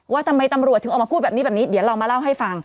ว่าทำไมตำรวจถึงออกมาพูดแบบนี้แบบนี้เดี๋ยวเรามาเล่าให้ฟัง